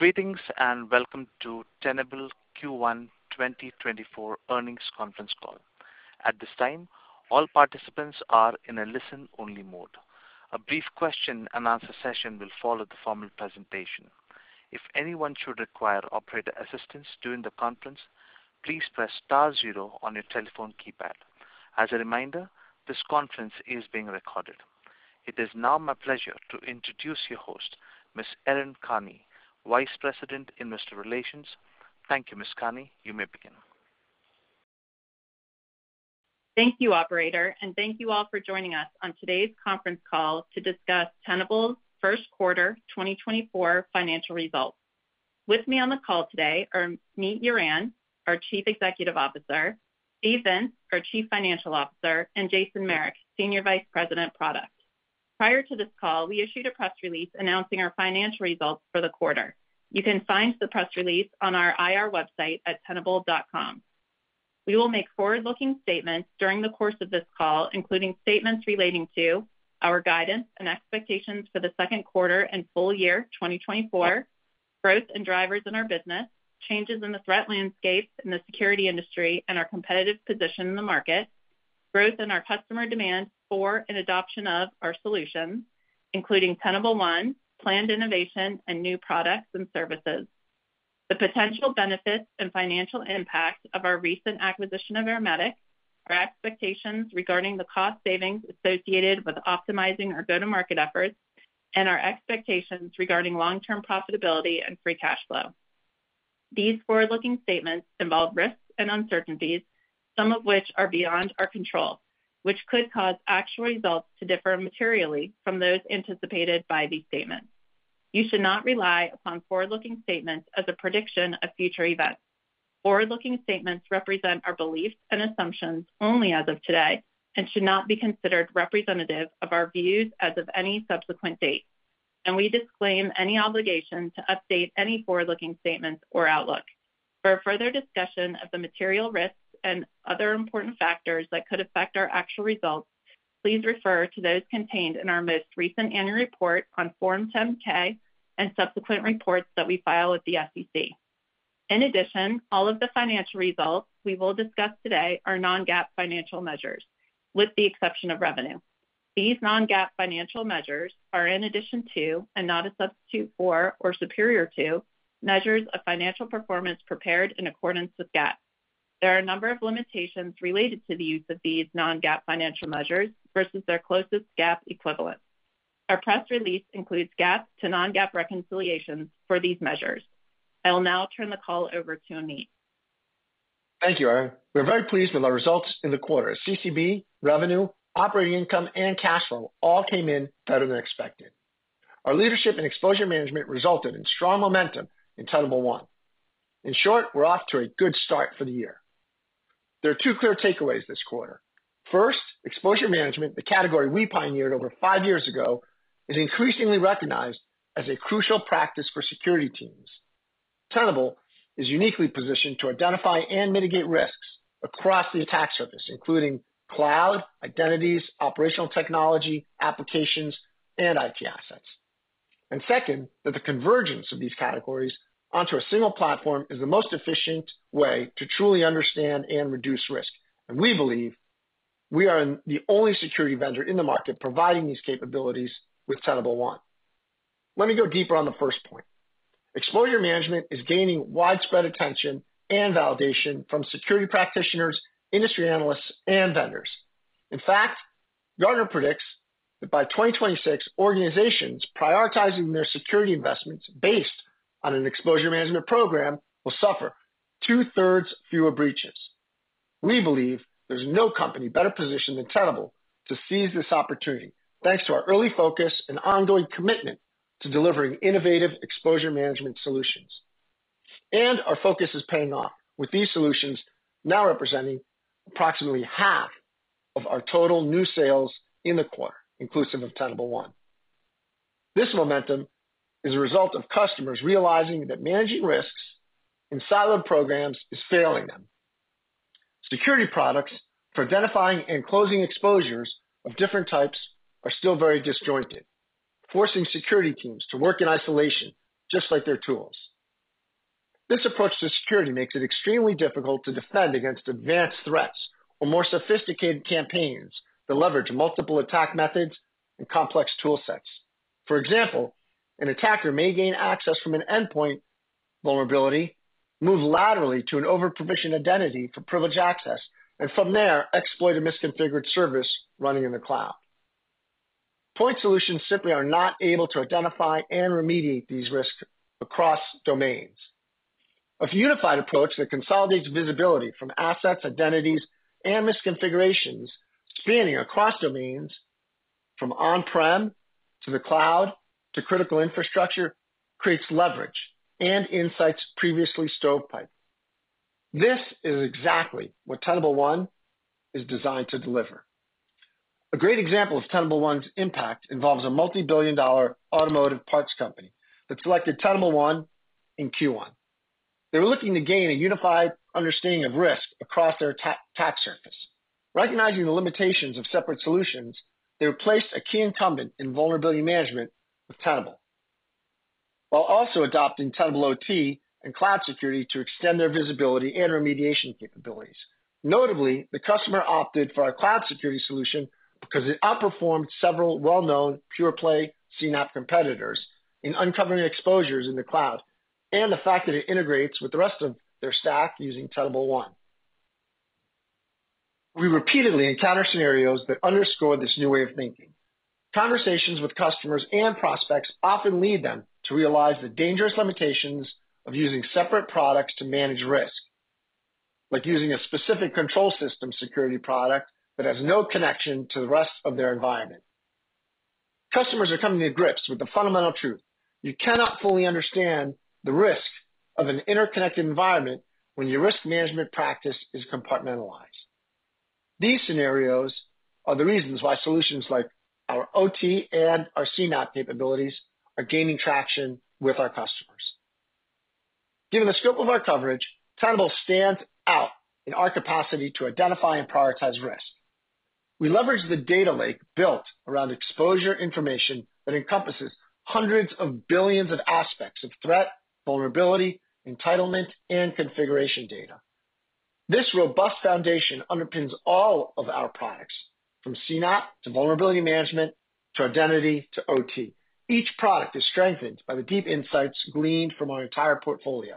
Greetings, and welcome to Tenable Q1 2024 earnings conference call. At this time, all participants are in a listen-only mode. A brief question and answer session will follow the formal presentation. If anyone should require operator assistance during the conference, please press *0 on your telephone keypad. As a reminder, this conference is being recorded. It is now my pleasure to introduce your host, Erin Carney, Vice President of Investor Relations. Thank you, Ms. Carney. You may begin. Thank you, operator, and thank you all for joining us on today's conference call to discuss Tenable's Q1 2024 financial results. With me on the call today are Amit Yoran, our Chief Executive Officer, Steve Vintz, our Chief Financial Officer, and Jason Merrick, Senior Vice President, Product. Prior to this call, we issued a press release announcing our financial results for the quarter. You can find the press release on our IR website at tenable.com. We will make forward-looking statements during the course of this call, including statements relating to our guidance and expectations for the Q2 and full year 2024, growth and drivers in our business, changes in the threat landscape and the security industry, and our competitive position in the market, growth in our customer demand for and adoption of our solutions, including Tenable One, planned innovation, and new products and services, the potential benefits and financial impact of our recent acquisition of Ermetic, our expectations regarding the cost savings associated with optimizing our go-to-market efforts, and our expectations regarding long-term profitability and free cash flow. These forward-looking statements involve risks and uncertainties, some of which are beyond our control, which could cause actual results to differ materially from those anticipated by these statements. You should not rely upon forward-looking statements as a prediction of future events. Forward-looking statements represent our beliefs and assumptions only as of today and should not be considered representative of our views as of any subsequent date, and we disclaim any obligation to update any forward-looking statements or outlook. For a further discussion of the material risks and other important factors that could affect our actual results, please refer to those contained in our most recent annual report on Form 10-K and subsequent reports that we file with the SEC. In addition, all of the financial results we will discuss today are non-GAAP financial measures, with the exception of revenue. These non-GAAP financial measures are in addition to and not a substitute for or superior to measures of financial performance prepared in accordance with GAAP. There are a number of limitations related to the use of these non-GAAP financial measures versus their closest GAAP equivalent. Our press release includes GAAP to non-GAAP reconciliations for these measures. I will now turn the call over to Amit. Thank you, Erin. We're very pleased with our results in the quarter. CCB, revenue, operating income, and cash flow all came in better than expected. Our leadership and exposure management resulted in strong momentum in Tenable One. In short, we're off to a good start for the year. There are two clear takeaways this quarter. First, exposure management, the category we pioneered over 5 years ago, is increasingly recognized as a crucial practice for security teams. Tenable is uniquely positioned to identify and mitigate risks across the attack surface, including cloud, identities, operational technology, applications, and IT assets. And second, that the convergence of these categories onto a single platform is the most efficient way to truly understand and reduce risk, and we believe we are the only security vendor in the market providing these capabilities with Tenable One. Let me go deeper on the first point. Exposure management is gaining widespread attention and validation from security practitioners, industry analysts, and vendors. In fact, Gartner predicts that by 2026, organizations prioritizing their security investments based on an exposure management program will suffer 2/3 fewer breaches. We believe there's no company better positioned than Tenable to seize this opportunity, thanks to our early focus and ongoing commitment to delivering innovative exposure management solutions. Our focus is paying off, with these solutions now representing approximately half of our total new sales in the quarter, inclusive of Tenable One. This momentum is a result of customers realizing that managing risks in siloed programs is failing them. Security products for identifying and closing exposures of different types are still very disjointed, forcing security teams to work in isolation, just like their tools. This approach to security makes it extremely difficult to defend against advanced threats or more sophisticated campaigns that leverage multiple attack methods and complex tool sets. For example, an attacker may gain access from an endpoint vulnerability, move laterally to an over-permissioned identity for privileged access, and from there, exploit a misconfigured service running in the cloud. Point solutions simply are not able to identify and remediate these risks across domains. A unified approach that consolidates visibility from assets, identities, and misconfigurations spanning across domains, from on-prem to the cloud to critical infrastructure, creates leverage and insights previously stovepiped. This is exactly what Tenable One is designed to deliver. A great example of Tenable One's impact involves a multi-billion dollar automotive parts company that selected Tenable One in Q1. They were looking to gain a unified understanding of risk across their attack surface. Recognizing the limitations of separate solutions, they replaced a key incumbent in vulnerability management with Tenable, while also adopting Tenable OT and cloud security to extend their visibility and remediation capabilities. Notably, the customer opted for our cloud security solution because it outperformed several well-known pure-play CNAPP competitors in uncovering exposures in the cloud, and the fact that it integrates with the rest of their stack using Tenable One. We repeatedly encounter scenarios that underscore this new way of thinking. Conversations with customers and prospects often lead them to realize the dangerous limitations of using separate products to manage risk, like using a specific control system security product that has no connection to the rest of their environment. Customers are coming to grips with the fundamental truth: You cannot fully understand the risk of an interconnected environment when your risk management practice is compartmentalized. These scenarios are the reasons why solutions like our OT and our CNAPP capabilities are gaining traction with our customers. Given the scope of our coverage, Tenable stands out in our capacity to identify and prioritize risk. We leverage the data lake built around exposure information that encompasses 100s of billions of aspects of threat, vulnerability, entitlement, and configuration data. This robust foundation underpins all of our products, from CNAPP to vulnerability management, to identity, to OT. Each product is strengthened by the deep insights gleaned from our entire portfolio.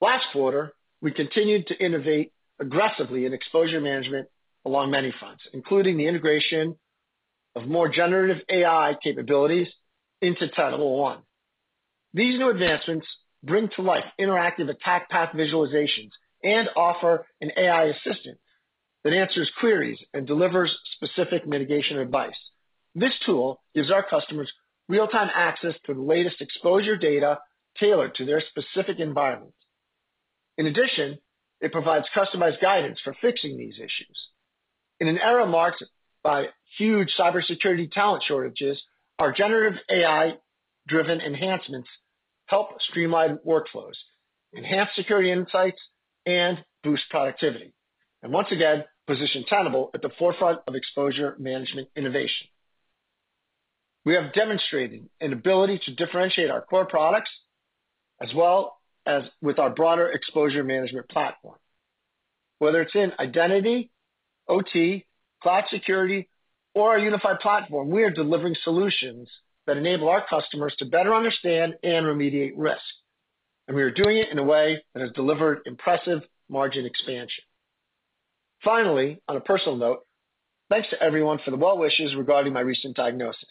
Last quarter, we continued to innovate aggressively in exposure management along many fronts, including the integration of more generative AI capabilities into Tenable One. These new advancements bring to life interactive attack path visualizations and offer an AI assistant that answers queries and delivers specific mitigation advice. This tool gives our customers real-time access to the latest exposure data tailored to their specific environments. In addition, it provides customized guidance for fixing these issues. In an era marked by huge cybersecurity talent shortages, our generative AI-driven enhancements help streamline workflows, enhance security insights, and boost productivity, and once again, position Tenable at the forefront of exposure management innovation. We have demonstrated an ability to differentiate our core products, as well as with our broader exposure management platform. Whether it's in identity, OT, cloud security, or our unified platform, we are delivering solutions that enable our customers to better understand and remediate risk, and we are doing it in a way that has delivered impressive margin expansion. Finally, on a personal note, thanks to everyone for the well wishes regarding my recent diagnosis.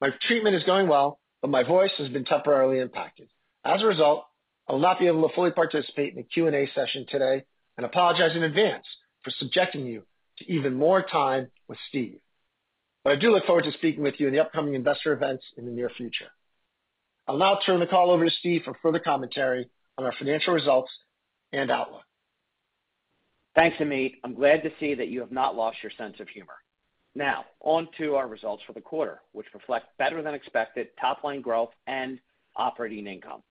My treatment is going well, but my voice has been temporarily impacted. As a result, I will not be able to fully participate in the Q&A session today, and apologize in advance for subjecting you to even more time with Steve. But I do look forward to speaking with you in the upcoming investor events in the near future. I'll now turn the call over to Steve for further commentary on our financial results and outlook. Thanks, Amit. I'm glad to see that you have not lost your sense of humor. Now, on to our results for the quarter, which reflect better than expected top-line growth and operating income.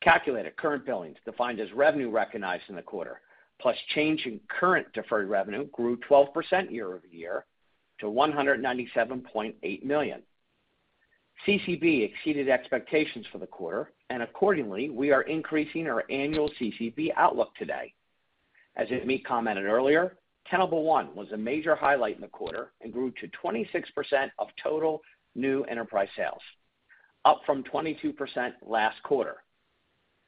Calculated current billings, defined as revenue recognized in the quarter, plus change in current deferred revenue grew 12% year-over-year to $197.8 million. CCB exceeded expectations for the quarter, and accordingly, we are increasing our annual CCB outlook today. As Amit commented earlier, Tenable One was a major highlight in the quarter and grew to 26% of total new enterprise sales, up from 22% last quarter.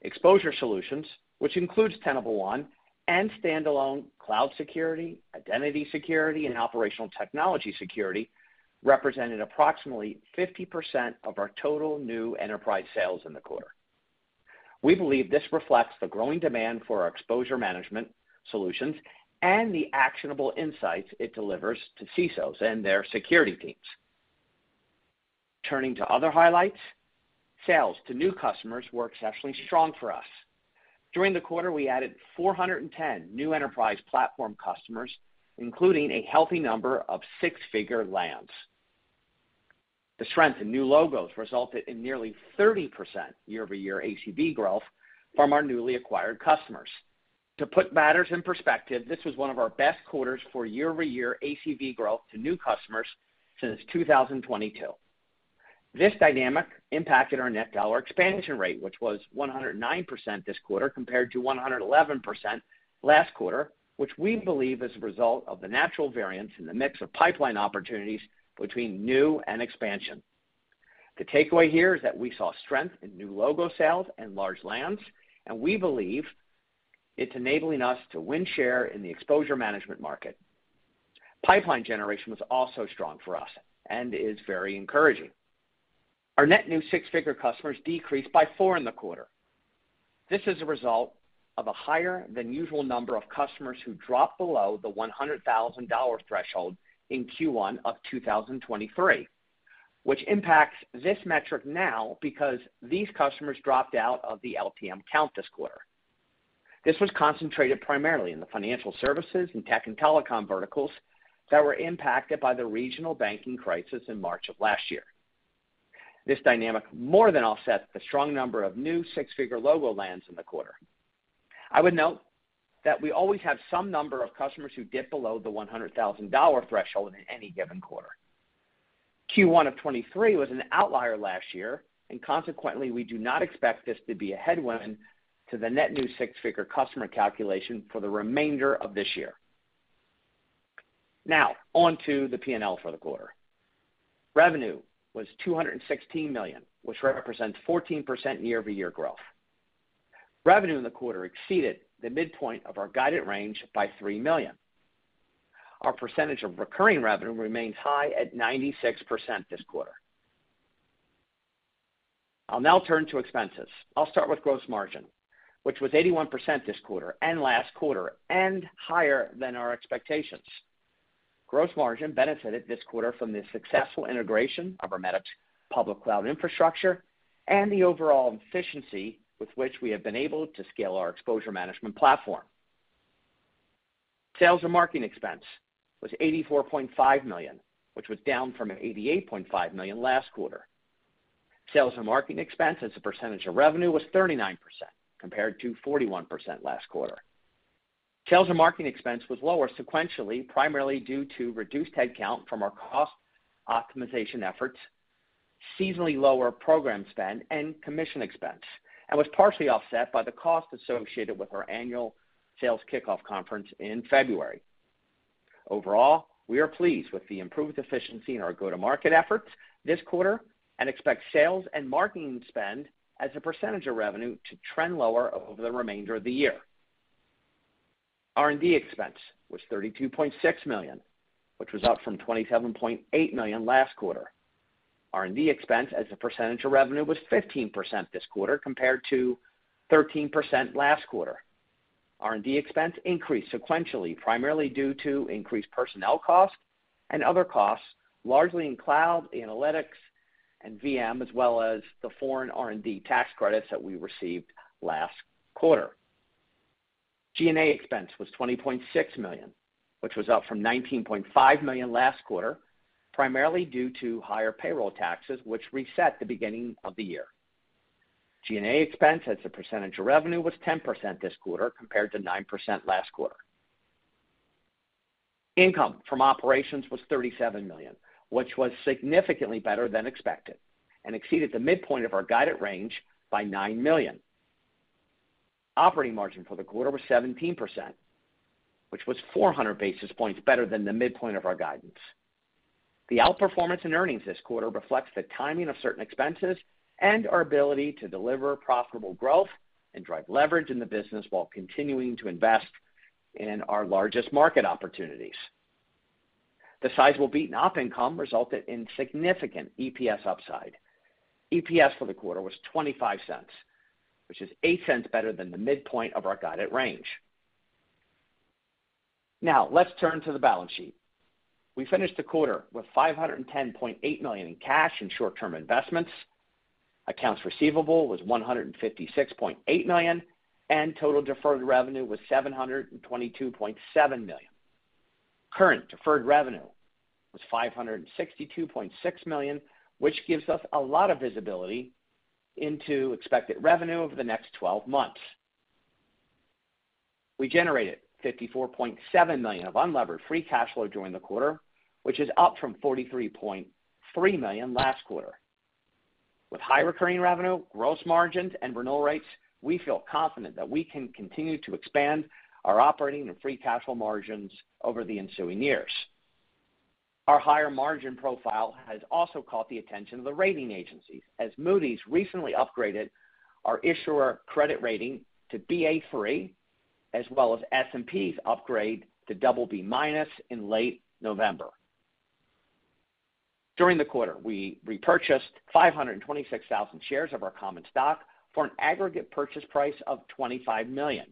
Exposure Solutions, which includes Tenable One and standalone cloud security, identity security, and operational technology security, represented approximately 50% of our total new enterprise sales in the quarter. We believe this reflects the growing demand for our exposure management solutions and the actionable insights it delivers to CISOs and their security teams. Turning to other highlights, sales to new customers were exceptionally strong for us. During the quarter, we added 410 new enterprise platform customers, including a healthy number of six-figure lands. The strength in new logos resulted in nearly 30% year-over-year ACV growth from our newly acquired customers. To put matters in perspective, this was one of our best quarters for year-over-year ACV growth to new customers since 2022. This dynamic impacted our net dollar expansion rate, which was 109% this quarter, compared to 111% last quarter, which we believe is a result of the natural variance in the mix of pipeline opportunities between new and expansion. The takeaway here is that we saw strength in new logo sales and large lands, and we believe it's enabling us to win share in the exposure management market. Pipeline generation was also strong for us and is very encouraging. Our net new six-figure customers decreased by 4 in the quarter. This is a result of a higher than usual number of customers who dropped below the $100,000 threshold in Q1 of 2023, which impacts this metric now because these customers dropped out of the LTM count this quarter. This was concentrated primarily in the financial services and tech and telecom verticals that were impacted by the regional banking crisis in March of last year. This dynamic more than offset the strong number of new six-figure logo lands in the quarter. I would note that we always have some number of customers who dip below the $100,000 threshold in any given quarter. Q1 of 2023 was an outlier last year, and consequently, we do not expect this to be a headwind to the net new six-figure customer calculation for the remainder of this year. Now, on to the P&L for the quarter. Revenue was $216 million, which represents 14% year-over-year growth. Revenue in the quarter exceeded the midpoint of our guided range by $3 million. Our percentage of recurring revenue remains high at 96% this quarter. I'll now turn to expenses. I'll start with gross margin, which was 81% this quarter and last quarter, and higher than our expectations. Gross margin benefited this quarter from the successful integration of our public cloud infrastructure and the overall efficiency with which we have been able to scale our exposure management platform. Sales and marketing expense was $84.5 million, which was down from $88.5 million last quarter. Sales and marketing expense as a percentage of revenue was 39%, compared to 41% last quarter. Sales and marketing expense was lower sequentially, primarily due to reduced head count from our cost optimization efforts, seasonally lower program spend and commission expense, and was partially offset by the cost associated with our annual sales kickoff conference in February. Overall, we are pleased with the improved efficiency in our go-to-market efforts this quarter, and expect sales and marketing spend as a percentage of revenue to trend lower over the remainder of the year. R&D expense was $32.6 million, which was up from $27.8 million last quarter. R&D expense as a percentage of revenue was 15% this quarter, compared to 13% last quarter. R&D expense increased sequentially, primarily due to increased personnel costs and other costs, largely in cloud, analytics, and VM, as well as the foreign R&D tax credits that we received last quarter. G&A expense was $20.6 million, which was up from $19.5 million last quarter, primarily due to higher payroll taxes, which reset the beginning of the year. G&A expense as a percentage of revenue was 10% this quarter, compared to 9% last quarter. Income from operations was $37 million, which was significantly better than expected and exceeded the midpoint of our guided range by $9 million. Operating margin for the quarter was 17%, which was 400 basis points better than the midpoint of our guidance. The outperformance in earnings this quarter reflects the timing of certain expenses and our ability to deliver profitable growth and drive leverage in the business while continuing to invest in our largest market opportunities. The sizable beat in op income resulted in significant EPS upside. EPS for the quarter was $0.25, which is $0.08 better than the midpoint of our guided range. Now, let's turn to the balance sheet. We finished the quarter with $510.8 million in cash and short-term investments. Accounts receivable was $156.8 million, and total deferred revenue was $722.7 million. Current deferred revenue was $562.6 million, which gives us a lot of visibility into expected revenue over the next 12 months. We generated $54.7 million of unlevered free cash flow during the quarter, which is up from $43.3 million last quarter. With high recurring revenue, gross margins, and renewal rates, we feel confident that we can continue to expand our operating and free cash flow margins over the ensuing years. Our higher margin profile has also caught the attention of the rating agencies, as Moody's recently upgraded our issuer credit rating to Ba3, as well as S&P's upgrade to BB- in late November. During the quarter, we repurchased 526,000 shares of our common stock for an aggregate purchase price of $25 million.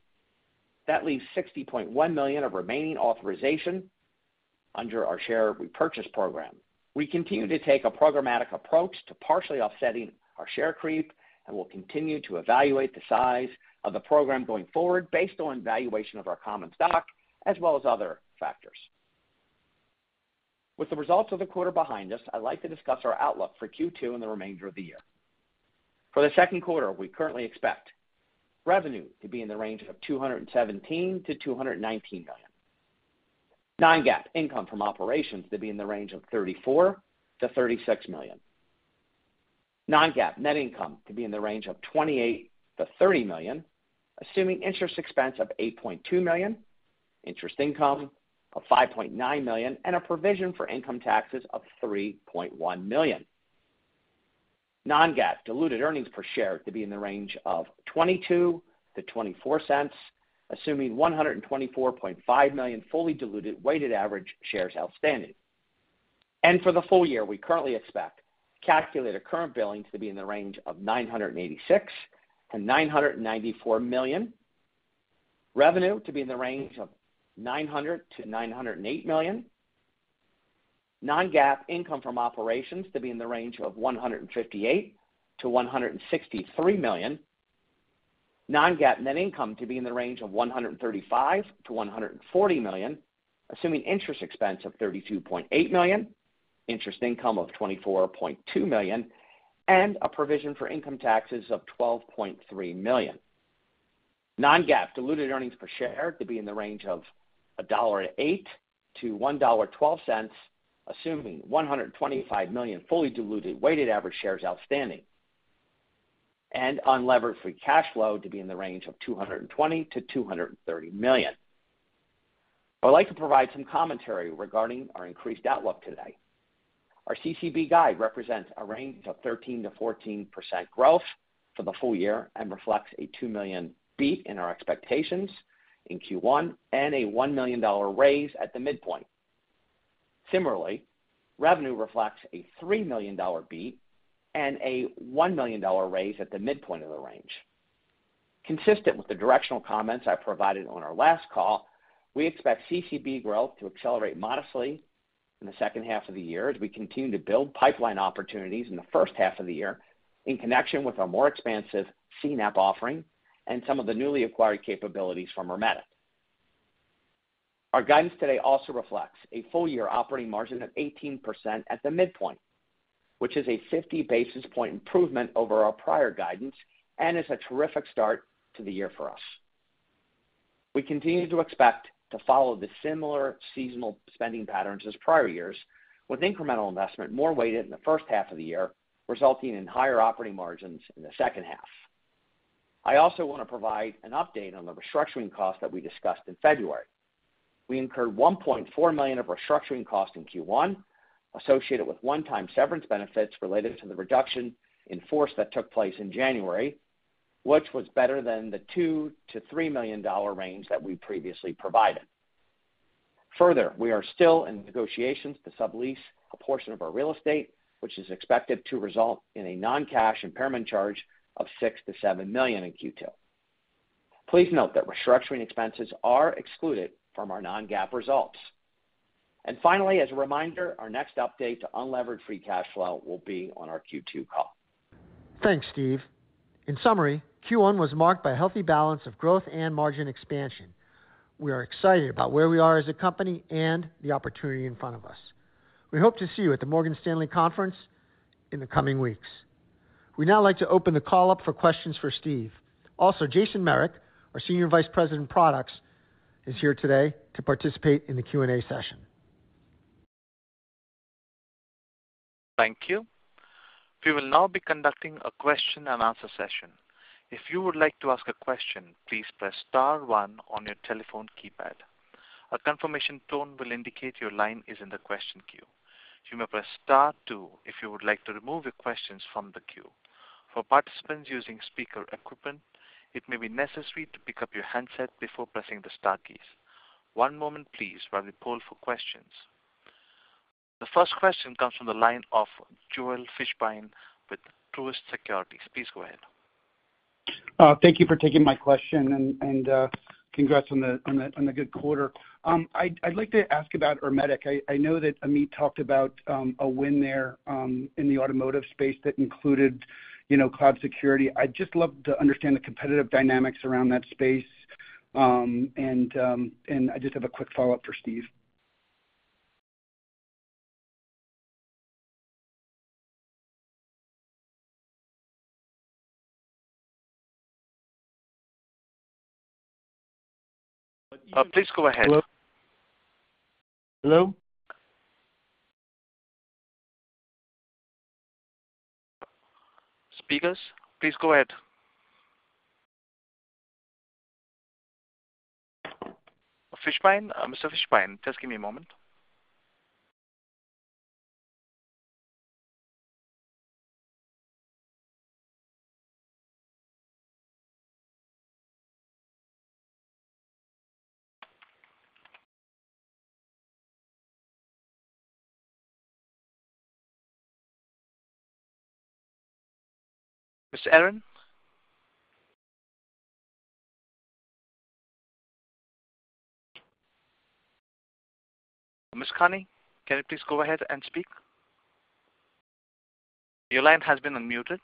That leaves $60.1 million of remaining authorization under our share repurchase program. We continue to take a programmatic approach to partially offsetting our share creep, and we'll continue to evaluate the size of the program going forward based on valuation of our common stock as well as other factors. With the results of the quarter behind us, I'd like to discuss our outlook for Q2 and the remainder of the year. For the Q2, we currently expect revenue to be in the range of $217 million-$219 million. Non-GAAP income from operations to be in the range of $34 million-$36 million. Non-GAAP net income to be in the range of $28 million-$30 million, assuming interest expense of $8.2 million, interest income of $5.9 million, and a provision for income taxes of $3.1 million. Non-GAAP diluted earnings per share to be in the range of $0.22-$0.24, assuming 124.5 million fully diluted weighted average shares outstanding. For the full year, we currently expect calculated current billings to be in the range of $986 million-$994 million. Revenue to be in the range of $900 million-$908 million. Non-GAAP income from operations to be in the range of $158 million-$163 million. Non-GAAP net income to be in the range of $135 million-$140 million, assuming interest expense of $32.8 million, interest income of $24.2 million, and a provision for income taxes of $12.3 million. Non-GAAP diluted earnings per share to be in the range of $1.08-$1.12, assuming 125 million fully diluted weighted average shares outstanding. Unlevered free cash flow to be in the range of $220 million-$230 million. I'd like to provide some commentary regarding our increased outlook today. Our CCB guide represents a range of 13%-14% growth for the full year and reflects a $2 million beat in our expectations in Q1 and a $1 million raise at the midpoint. Similarly, revenue reflects a $3 million beat and a $1 million raise at the midpoint of the range. Consistent with the directional comments I provided on our last call, we expect CCB growth to accelerate modestly in the H2 of the year as we continue to build pipeline opportunities in the H2 of the year, in connection with our more expansive CNAPP offering and some of the newly acquired capabilities from Ermetic. Our guidance today also reflects a full-year operating margin of 18% at the midpoint, which is a 50 basis point improvement over our prior guidance and is a terrific start to the year for us. We continue to expect to follow the similar seasonal spending patterns as prior years, with incremental investment more weighted in the H1 of the year, resulting in higher operating margins in the H2. I also want to provide an update on the restructuring costs that we discussed in February. We incurred $1.4 million of restructuring costs in Q1, associated with one-time severance benefits related to the reduction in force that took place in January, which was better than the $2-$3 million range that we previously provided. Further, we are still in negotiations to sublease a portion of our real estate, which is expected to result in a non-cash impairment charge of $6-$7 million in Q2. Please note that restructuring expenses are excluded from our non-GAAP results. And finally, as a reminder, our next update to unlevered free cash flow will be on our Q2 call. Thanks, Steve. In summary, Q1 was marked by a healthy balance of growth and margin expansion. We are excited about where we are as a company and the opportunity in front of us. We hope to see you at the Morgan Stanley conference in the coming weeks. We'd now like to open the call up for questions for Steve. Also, Jason Merrick, our Senior Vice President of Products, is here today to participate in the Q&A session. Thank you. We will now be conducting a question-and-answer session. If you would like to ask a question, please press *1 on your telephone keypad. A confirmation tone will indicate your line is in the question queue. You may press *2 if you would like to remove your questions from the queue. For participants using speaker equipment, it may be necessary to pick up your handset before pressing the star keys. One moment please while we poll for questions. The first question comes from the line of Joel Fishbein with Truist Securities. Please go ahead. Thank you for taking my question and congrats on the good quarter. I'd like to ask about Ermetic. I know that Amit talked about a win there in the automotive space that included, you know, cloud security. I'd just love to understand the competitive dynamics around that space. And I just have a quick follow-up for Steve. Please go ahead. Hello? Hello? Speakers, please go ahead. Fishbein. Mr. Fishbein, just give me a moment. Mr. Yoran? Ms. Carney, can you please go ahead and speak? Your line has been unmuted.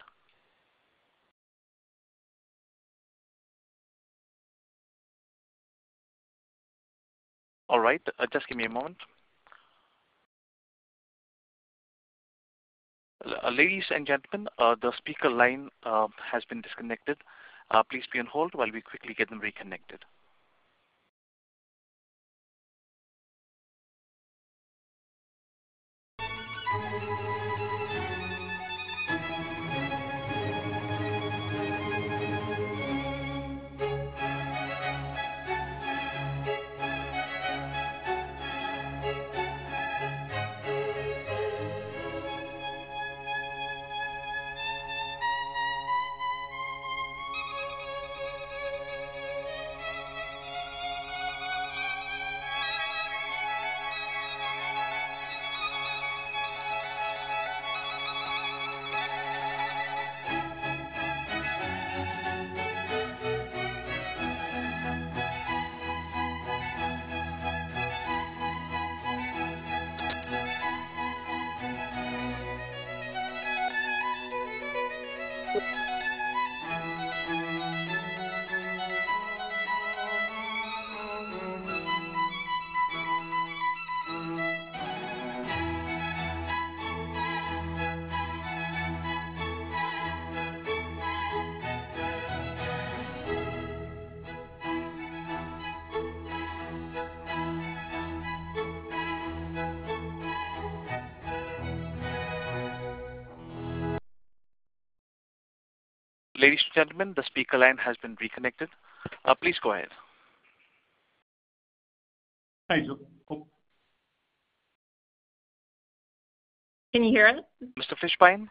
All right, just give me a moment. Ladies and gentlemen, the speaker line has been disconnected. Please be on hold while we quickly get them reconnected. ... Ladies and gentlemen, the speaker line has been reconnected. Please go ahead. Hi, Joel. Can you hear us? Mr. Fishbein?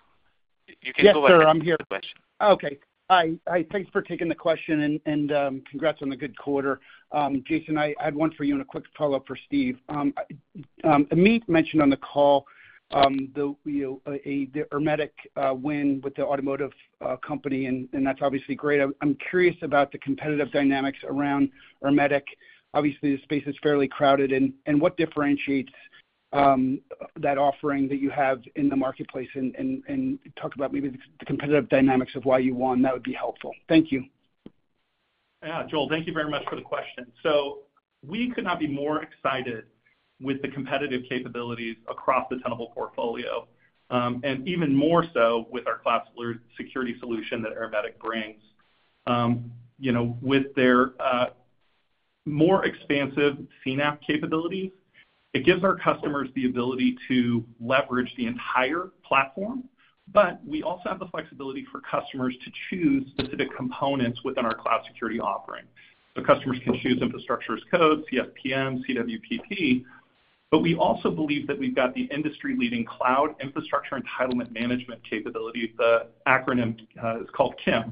You can go ahead- Yes, sir, I'm here. With the question. Okay. Hi. Hi, thanks for taking the question and, and, congrats on the good quarter. Jason, I, I had one for you and a quick follow-up for Steve. Amit mentioned on the call, you know, the Ermetic win with the automotive company, and, and that's obviously great. I'm curious about the competitive dynamics around Ermetic. Obviously, the space is fairly crowded, and, and what differentiates that offering that you have in the marketplace? And, and, and talk about maybe the competitive dynamics of why you won. That would be helpful. Thank you. Yeah, Joel, thank you very much for the question. So we could not be more excited with the competitive capabilities across the Tenable portfolio, and even more so with our cloud security solution that Ermetic brings. You know, with their more expansive CNAPP capabilities, it gives our customers the ability to leverage the entire platform, but we also have the flexibility for customers to choose specific components within our cloud security offering. So customers can choose infrastructure as code, CSPM, CWPP, but we also believe that we've got the industry-leading cloud infrastructure entitlement management capability. The acronym is called CIEM.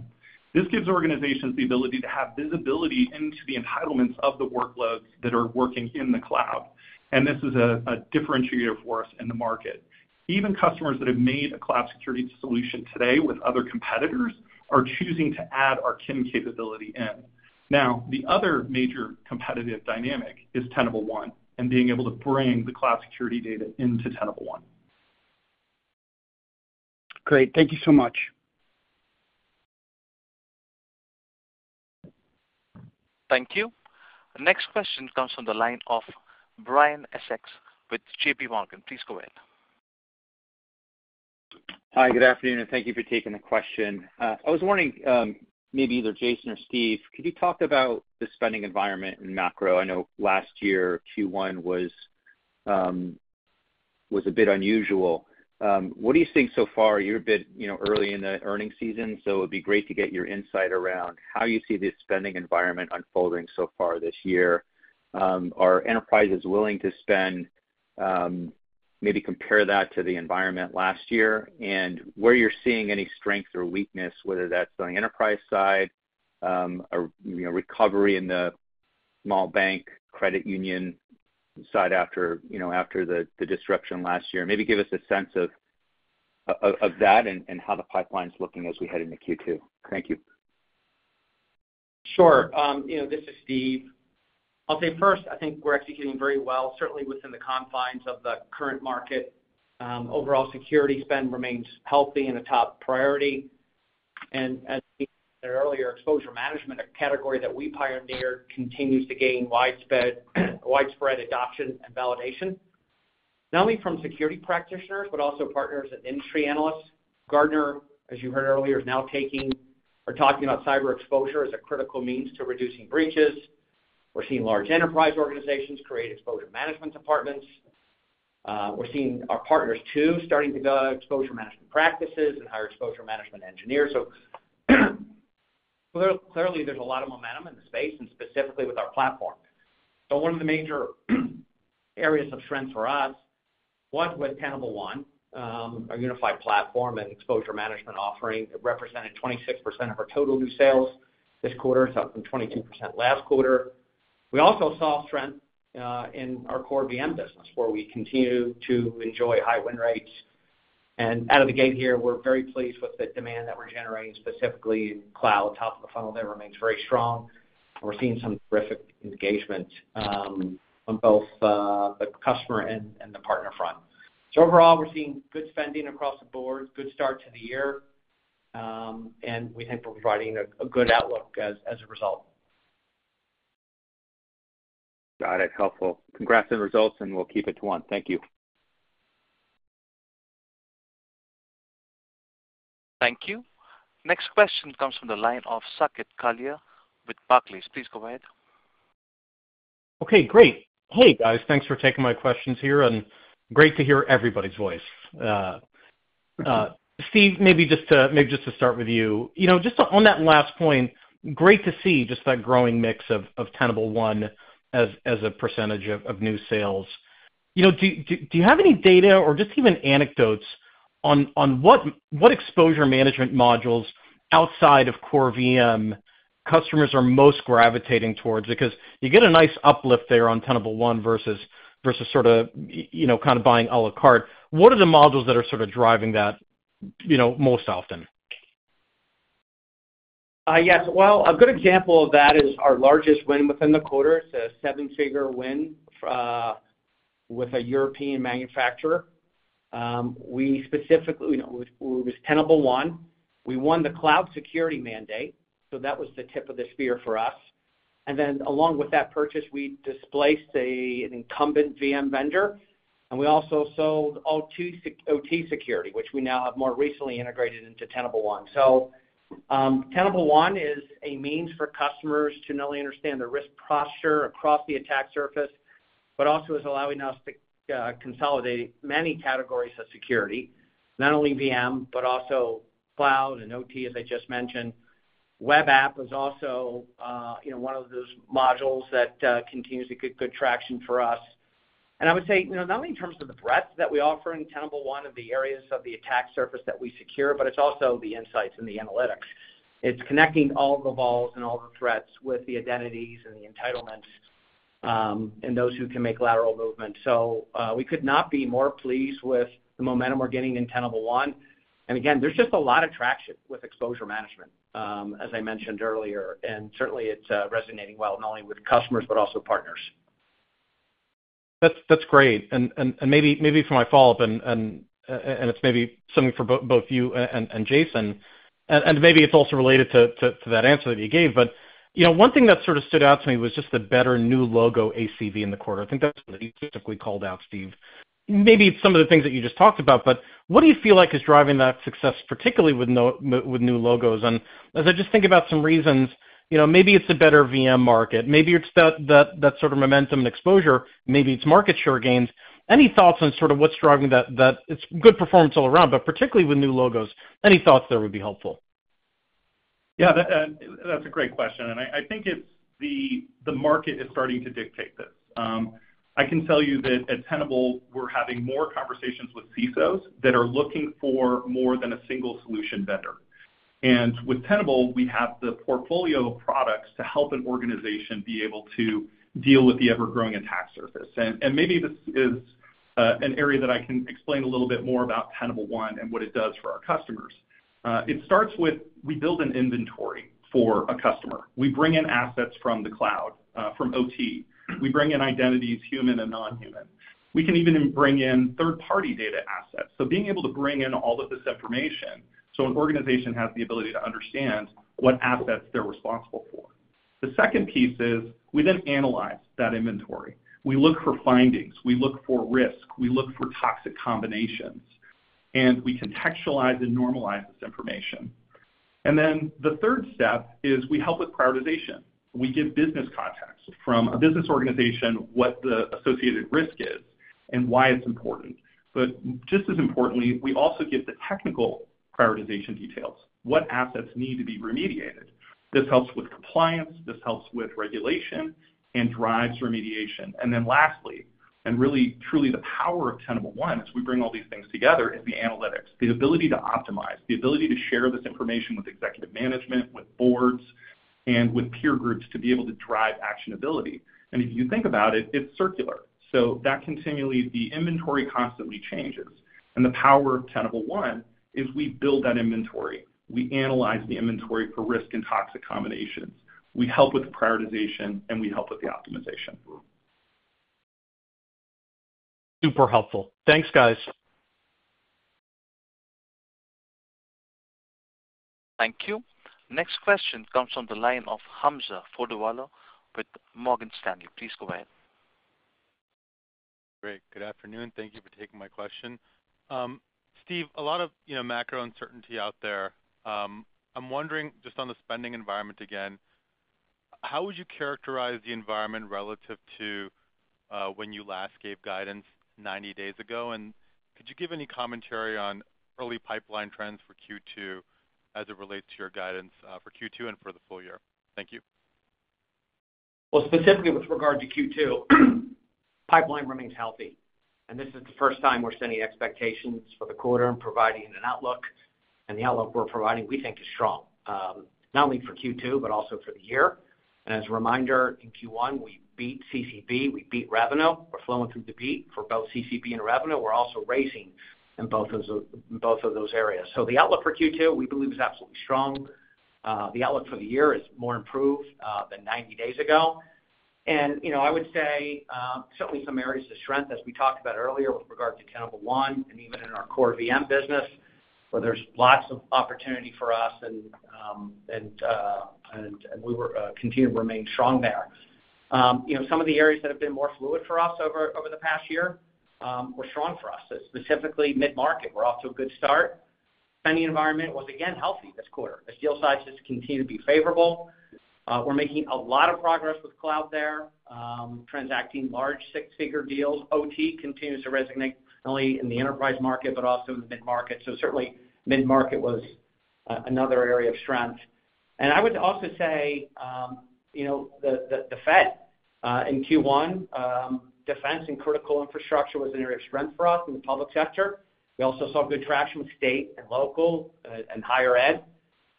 This gives organizations the ability to have visibility into the entitlements of the workloads that are working in the cloud, and this is a differentiator for us in the market. Even customers that have made a cloud security solution today with other competitors are choosing to add our CIEM capability in. Now, the other major competitive dynamic is Tenable One, and being able to bring the cloud security data into Tenable One. Great. Thank you so much. Thank you. The next question comes from the line of Brian Essex with J.P. Morgan. Please go ahead. Hi, good afternoon, and thank you for taking the question. I was wondering, maybe either Jason or Steve, could you talk about the spending environment in macro? I know last year, Q1 was a bit unusual. What do you think so far? You're a bit, you know, early in the earnings season, so it'd be great to get your insight around how you see this spending environment unfolding so far this year. Are enterprises willing to spend, maybe compare that to the environment last year and where you're seeing any strength or weakness, whether that's on the enterprise side, or, you know, recovery in the small bank, credit union side after, you know, the disruption last year. Maybe give us a sense of that and how the pipeline is looking as we head into Q2. Thank you. Sure. You know, this is Steve. I'll say first, I think we're executing very well, certainly within the confines of the current market. Overall security spend remains healthy and a top priority. And as said earlier, exposure management, a category that we pioneered, continues to gain widespread, widespread adoption and validation, not only from security practitioners, but also partners and industry analysts. Gartner, as you heard earlier, is now taking or talking about cyber exposure as a critical means to reducing breaches. We're seeing large enterprise organizations create exposure management departments. We're seeing our partners, too, starting to build exposure management practices and hire exposure management engineers. So, clearly, there's a lot of momentum in the space and specifically with our platform. So one of the major areas of strength for us was with Tenable One, our unified platform and exposure management offering. It represented 26% of our total new sales this quarter, it's up from 22% last quarter. We also saw strength in our core VM business, where we continue to enjoy high win rates. And out of the gate here, we're very pleased with the demand that we're generating, specifically in cloud. Top of the funnel there remains very strong, and we're seeing some terrific engagement on both the customer and the partner front. So overall, we're seeing good spending across the board, good start to the year, and we think we're providing a good outlook as a result. Got it. Helpful. Congrats on the results, and we'll keep it to one. Thank you. Thank you. Next question comes from the line of Saket Kalia with Barclays. Please go ahead. Okay, great. Hey, guys. Thanks for taking my questions here, and great to hear everybody's voice. Steve, maybe just to start with you. You know, just on that last point, great to see just that growing mix of Tenable One as a percentage of new sales. You know, do you have any data or just even anecdotes on what exposure management modules outside of core VM customers are most gravitating towards? Because you get a nice uplift there on Tenable One versus sorta you know, kind of buying à la carte. What are the modules that are sort of driving that, you know, most often? ... Yes. Well, a good example of that is our largest win within the quarter. It's a seven-figure win with a European manufacturer. We specifically, you know, it was Tenable One. We won the cloud security mandate, so that was the tip of the spear for us. And then along with that purchase, we displaced an incumbent VM vendor, and we also sold OT security, which we now have more recently integrated into Tenable One. So, Tenable One is a means for customers to not only understand their risk posture across the attack surface, but also is allowing us to consolidate many categories of security, not only VM, but also cloud and OT, as I just mentioned. Web app is also, you know, one of those modules that continues to get good traction for us. And I would say, you know, not only in terms of the breadth that we offer in Tenable One of the areas of the attack surface that we secure, but it's also the insights and the analytics. It's connecting all the vulns and all the threats with the identities and the entitlements, and those who can make lateral movements. So, we could not be more pleased with the momentum we're getting in Tenable One. And again, there's just a lot of traction with exposure management, as I mentioned earlier, and certainly it's resonating well, not only with customers, but also partners. That's great. And maybe for my follow-up, and it's maybe something for both you and Jason, and maybe it's also related to that answer that you gave. But, you know, one thing that sort of stood out to me was just the better new logo ACV in the quarter. I think that's what you specifically called out, Steve. Maybe it's some of the things that you just talked about, but what do you feel like is driving that success, particularly with new logos? And as I just think about some reasons, you know, maybe it's a better VM market, maybe it's that sort of momentum and exposure, maybe it's market share gains. Any thoughts on sort of what's driving that? It's good performance all around, but particularly with new logos, any thoughts there would be helpful. Yeah, that, that's a great question, and I think it's the market is starting to dictate this. I can tell you that at Tenable, we're having more conversations with CISOs that are looking for more than a single solution vendor. And with Tenable, we have the portfolio of products to help an organization be able to deal with the ever-growing attack surface. And maybe this is an area that I can explain a little bit more about Tenable One and what it does for our customers. It starts with, we build an inventory for a customer. We bring in assets from the cloud, from OT. We bring in identities, human and non-human. We can even bring in third-party data assets. So, being able to bring in all of this information, an organization has the ability to understand what assets they're responsible for. The second piece is, we then analyze that inventory. We look for findings, we look for risk, we look for Toxic Combinations, and we contextualize and normalize this information. Then the third step is we help with prioritization. We give business context from a business organization, what the associated risk is and why it's important. But just as importantly, we also give the technical prioritization details, what assets need to be remediated. This helps with compliance, this helps with regulation, and drives remediation. And then lastly, and really, truly the power of Tenable One, as we bring all these things together, is the analytics, the ability to optimize, the ability to share this information with executive management, with boards, and with peer groups to be able to drive actionability. If you think about it, it's circular, so that continually, the inventory constantly changes. The power of Tenable One is we build that inventory, we analyze the inventory for risk and Toxic Combinations, we help with the prioritization, and we help with the optimization. Super helpful. Thanks, guys. Thank you. Next question comes from the line of Hamza Fodderwala with Morgan Stanley. Please go ahead. Great. Good afternoon. Thank you for taking my question. Steve, a lot of, you know, macro uncertainty out there. I'm wondering, just on the spending environment again, how would you characterize the environment relative to when you last gave guidance 90 days ago? And could you give any commentary on early pipeline trends for Q2 as it relates to your guidance for Q2 and for the full year? Thank you. Well, specifically with regard to Q2, pipeline remains healthy, and this is the first time we're setting expectations for the quarter and providing an outlook. And the outlook we're providing, we think, is strong, not only for Q2, but also for the year. And as a reminder, in Q1, we beat CCB, we beat revenue. We're flowing through the beat for both CCB and revenue. We're also raising in both those, both of those areas. So the outlook for Q2, we believe, is absolutely strong. The outlook for the year is more improved than 90 days ago. And, you know, I would say certainly some areas of strength, as we talked about earlier, with regard to Tenable One and even in our core VM business, where there's lots of opportunity for us and continue to remain strong there. You know, some of the areas that have been more fluid for us over the past year were strong for us. Specifically, mid-market, we're off to a good start. Spending environment was again healthy this quarter. The deal sizes continue to be favorable. We're making a lot of progress with cloud there, transacting large six-figure deals. OT continues to resonate not only in the enterprise market, but also in the mid-market. So certainly, mid-market was another area of strength. And I would also say, you know, the Fed in Q1, defense and critical infrastructure was an area of strength for us in the public sector. We also saw good traction with state and local and higher ed.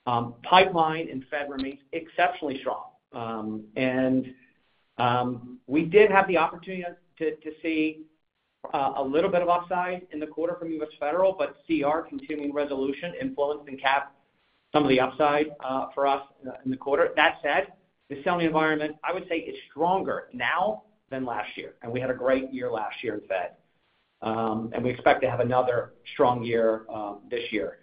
Pipeline in Fed remains exceptionally strong. And we did have the opportunity to see a little bit of upside in the quarter from U.S. Federal, but CR, continuing resolution, influenced and capped some of the upside for us in the quarter. That said, the selling environment, I would say, is stronger now than last year, and we had a great year last year in Fed. And we expect to have another strong year this year.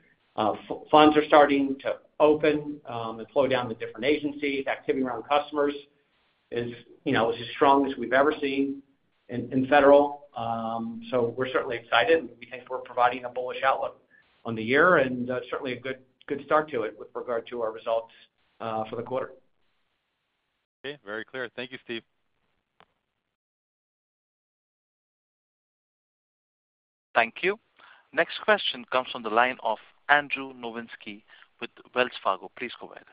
Funds are starting to open and flow down to different agencies. Activity around customers is, you know, as strong as we've ever seen in federal. So we're certainly excited, and we think we're providing a bullish outlook on the year, and certainly a good, good start to it with regard to our results for the quarter. Okay, very clear. Thank you, Steve. Thank you. Next question comes from the line of Andrew Nowinski with Wells Fargo. Please go ahead.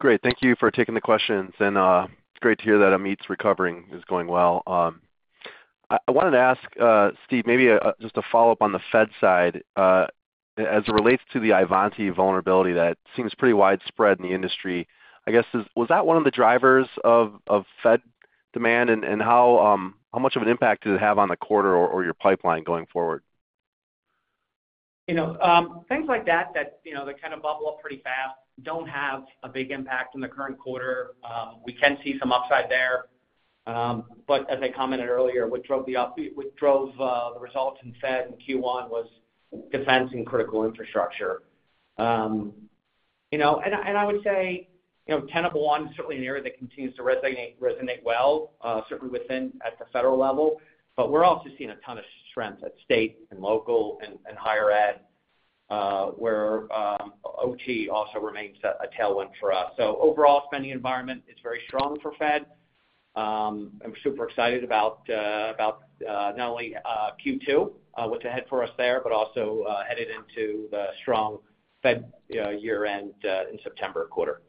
Great. Thank you for taking the questions, and it's great to hear that Amit's recovering is going well. I wanted to ask, Steve, maybe just a follow-up on the Fed side. As it relates to the Ivanti vulnerability, that seems pretty widespread in the industry. I guess, was that one of the drivers of Fed demand, and how much of an impact did it have on the quarter or your pipeline going forward? You know, things like that, that, you know, that kind of bubble up pretty fast don't have a big impact in the current quarter. We can see some upside there. But as I commented earlier, what drove the results in Fed in Q1 was defense and critical infrastructure. You know, and I would say, you know, Tenable One is certainly an area that continues to resonate well, certainly within, at the federal level. But we're also seeing a ton of strength at state and local and higher ed, where OT also remains a tailwind for us. So overall spending environment is very strong for Fed. I'm super excited about not only Q2, what's ahead for us there, but also headed into the strong Fed year-end in September quarter.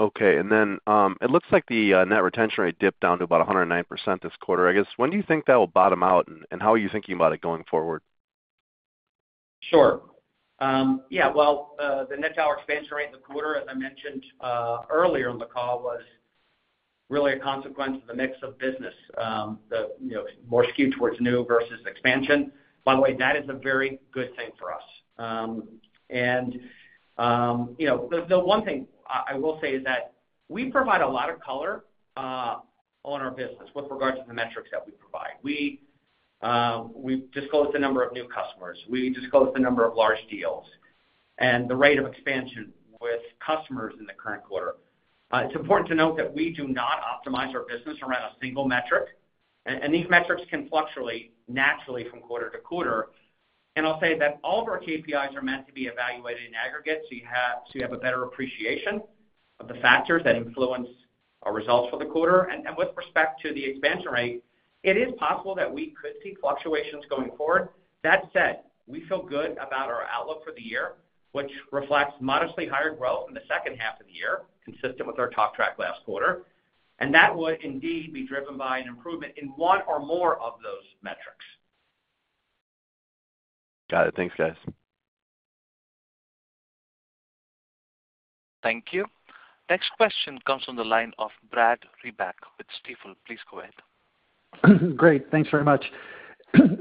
Okay. And then, it looks like the net retention rate dipped down to about 109% this quarter. I guess, when do you think that will bottom out, and how are you thinking about it going forward? Sure. Yeah, well, the Net Dollar Expansion Rate in the quarter, as I mentioned, earlier in the call, was really a consequence of the mix of business, you know, more skewed towards new versus expansion. By the way, that is a very good thing for us. And, you know, the one thing I will say is that we provide a lot of color on our business with regards to the metrics that we provide. We, we've disclosed the number of new customers. We've disclosed the number of large deals and the rate of expansion with customers in the current quarter. It's important to note that we do not optimize our business around a single metric, and these metrics can fluctuate naturally from quarter to quarter. And I'll say that all of our KPIs are meant to be evaluated in aggregate, so you have a better appreciation of the factors that influence our results for the quarter. And with respect to the expansion rate, it is possible that we could see fluctuations going forward. That said, we feel good about our outlook for the year, which reflects modestly higher growth in the H2 of the year, consistent with our talk track last quarter. And that would indeed be driven by an improvement in one or more of those metrics. Got it. Thanks, guys. Thank you. Next question comes from the line of Brad Reback with Stifel. Please go ahead. Great. Thanks very much.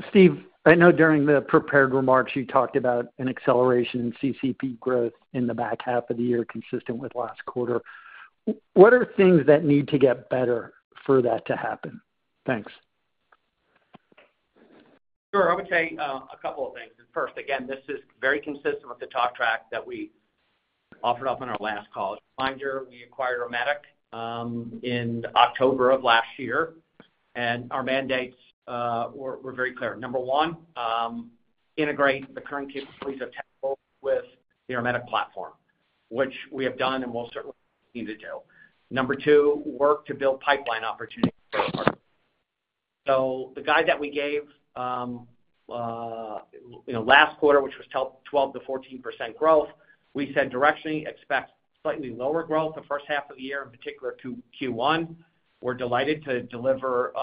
Steve, I know during the prepared remarks, you talked about an acceleration in CCB growth in the back half of the year, consistent with last quarter. What are things that need to get better for that to happen? Thanks. Sure. I would say a couple of things. First, again, this is very consistent with the talk track that we offered up on our last call. Following, we acquired Ermetic in October of last year, and our mandates were very clear. Number one, integrate the current capabilities of Tenable with the Ermetic platform, which we have done and will certainly need to do. Number two, work to build pipeline opportunities. So the guide that we gave, you know, last quarter, which was 12%-14% growth, we said directionally expect slightly lower growth the H1 of the year, in particular Q1. We're delighted to deliver,